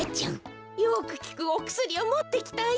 よくきくおくすりをもってきたよ。